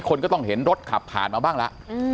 คนก็ต้องเห็นรถขับผ่านมาบ้างละ